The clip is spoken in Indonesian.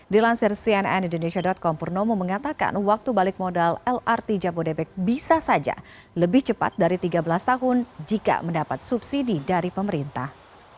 dilansir cnn indonesia com purnomo mengatakan waktu balik modal lrt jabodebek bisa saja lebih cepat dari tiga belas tahun jika mendapat subsidi dari pemerintah